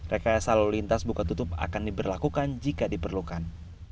rekayasa lalu lintas buka tutup akan diberlakukan jika diperlukan